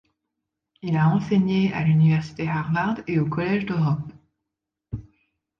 Il a enseigné à l'université Harvard et au Collège d'Europe.